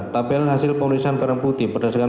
tabel hasil pengisian barang bukti berdasarkan